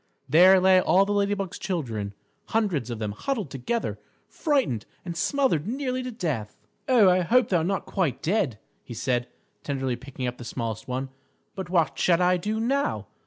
There lay all the Lady Bug's children, hundreds of them huddled together, frightened and smothered nearly to death. [Illustration: THE FIRE ENGINE] "Oh, I hope they are not quite dead," he said, tenderly picking up the smallest one. "But what shall I do now?